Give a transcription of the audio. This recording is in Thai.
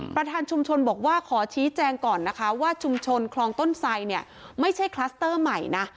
ประธานชุมชนบอกว่าขอชี้แจงก่อนนะคะว่าชุมชนคลองต้นไสเนี่ยไม่ใช่คลัสเตอร์ใหม่นะ